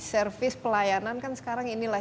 servis pelayanan kan sekarang inilah